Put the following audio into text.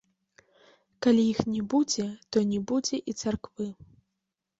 Калі іх не будзе, то не будзе і царквы.